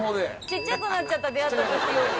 ちっちゃくなっちゃった出会った時より。